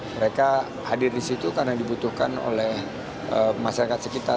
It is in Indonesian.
mereka hadir di situ karena dibutuhkan oleh masyarakat sekitar